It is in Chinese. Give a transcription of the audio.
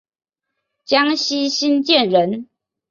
江西新建人。